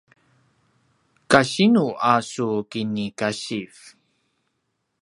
kasinu a su kinikasiv?